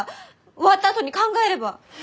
終わったあとに考えれば！